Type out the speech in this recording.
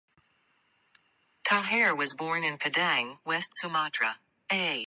Taher was born in Padang, West Sumatra.